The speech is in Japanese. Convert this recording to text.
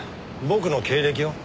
僕の経歴を？